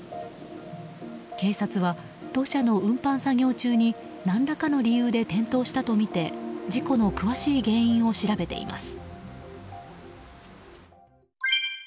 警察は、土砂の運搬作業中に何らかの理由で転倒したとみて事故の詳しい原因を調べています。